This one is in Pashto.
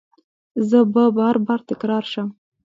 زه به بار، بار تکرار شم